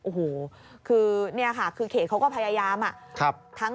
โอ้โหคือเนี่ยค่ะคือเขตเขาก็พยายามอะ